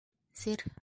Сер.